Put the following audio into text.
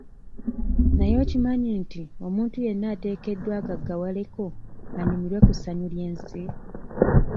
Naye okimanyi nti omuntu yenna ateekeddwa agaggawaleko anyumirweko ku ssanyu ly'ensi?